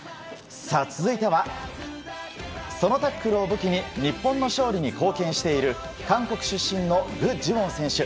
続いては、そのタックルを武器に日本の勝利に貢献している韓国出身のグ・ジウォン選手。